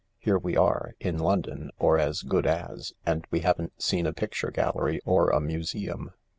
Here we are, in London, or as good as, and we haven't seen a picture gallery or a museum.